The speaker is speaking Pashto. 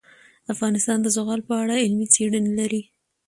افغانستان د زغال په اړه علمي څېړنې لري.